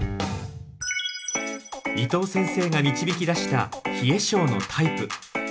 伊藤先生が導き出した冷え症のタイプ。